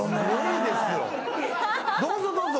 どうぞどうぞ。